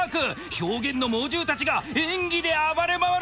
表現の猛獣たちが演技で暴れ回る！